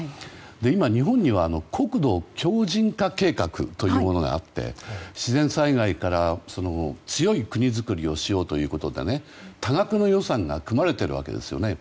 今、日本には国土強靭化計画というのがあって自然災害に強い国づくりをしようということで多額の予算が組まれているわけですよね。